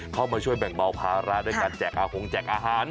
เข้ามาช่วยแบ่งเบาภาระด้วยการแจกอาหงแจกอาหาร